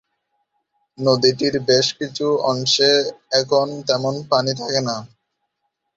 নদীটির বেশ কিছু অংশে এখন তেমন পানি থাকে না।